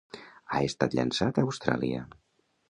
Ha estat llançat a Austràlia.